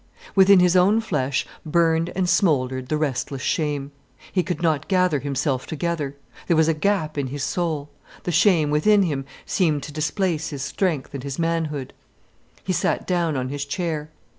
Within his own flesh burned and smouldered the restless shame. He could not gather himself together. There was a gap in his soul. The shame within him seemed to displace his strength and his manhood. He sat down on his chair.